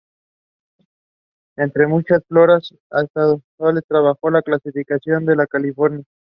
Entre muchas floras estaduales trabajó en la clasificación de la de California.